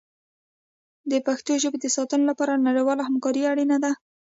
د پښتو ژبې د ساتنې لپاره نړیواله همکاري اړینه ده.